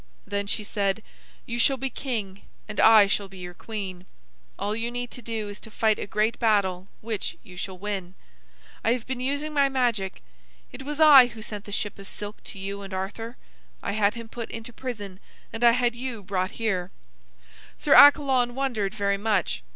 Then she said: "You shall be king, and I shall be your queen. All you need to do is to fight a great battle, which you shall win. I have been using my magic. It was I who sent the ship of silk to you and Arthur. I had him put into prison, and I had you brought here." Sir Accalon wondered very much.